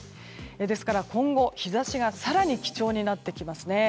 ですから今後、日差しが更に貴重になってきます。